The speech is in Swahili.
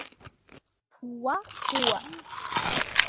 Puwa – pua